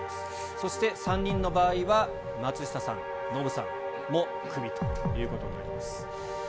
そして、３人の場合は松下さん、ノブさんもクビということになります。